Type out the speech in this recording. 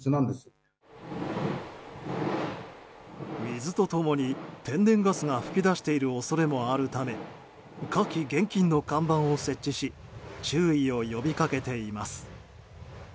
水と共に天然ガスが噴き出している恐れもあるため火気厳禁の看板を設置し注意を呼び掛けています。